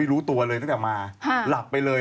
รู้ตัวเลยตั้งแต่มาหลับไปเลย